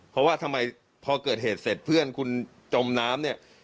เพราะว่าทำไมพอเกิดเหตุเสร็จเพื่อนคุณจมน้ำเนี่ย